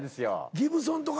ギブソンとか。